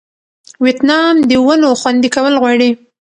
ویتنام د ونو خوندي کول غواړي.